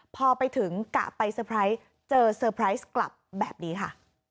พอไปถึงกะไปเตอร์ไพรส์เจอเซอร์ไพรส์กลับแบบนี้ค่ะ